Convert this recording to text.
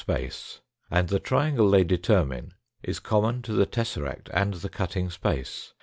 space, and the triangle they determine is common to the tesseract and the cut ting space.